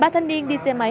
ba thanh niên đi xe gắn máy